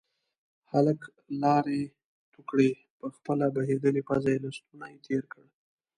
هلک لاړې تو کړې، پر خپله بهيدلې پزه يې لستوڼی تير کړ.